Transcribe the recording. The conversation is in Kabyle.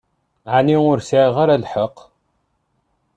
Ɛni ur sɛiɣ ara lḥeqq?